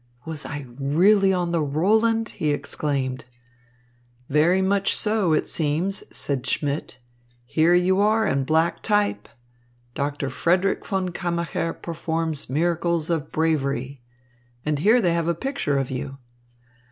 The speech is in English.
"Was I really on the Roland?" he exclaimed. "Very much so, it seems," said Schmidt. "Here you are in black type. 'Doctor Frederick von Kammacher performs miracles of bravery.' And here they have a picture of you."